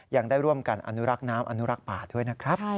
ยังได้ร่วมกันอนุรักษ์น้ำอนุรักษ์ป่าด้วยนะครับ